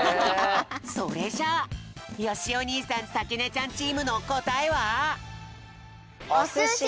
それじゃあよしお兄さんさきねちゃんチームのこたえは？